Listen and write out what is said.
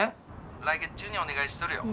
来月中にお願いしとるよ